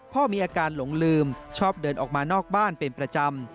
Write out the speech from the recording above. พ่อมีอาการหลงลืมชอบเดินออกมานอกบ้านเป็นประจำ